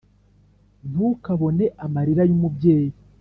Ntukabone amalira y'umubyeyi